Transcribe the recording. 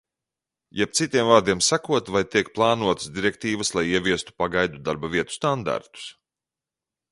Jeb, citiem vārdiem sakot, vai tiek plānotas direktīvas, lai ieviestu pagaidu darbavietu standartus?